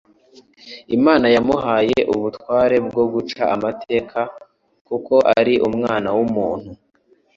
Imana "yamuhaye ubutware bwo guca amateka, kuko ari Umwana w'umuntu."